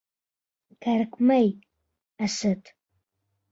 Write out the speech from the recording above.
— Кәрәкмәй, Асет.